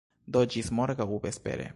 Do, ĝis morgaŭ vespere.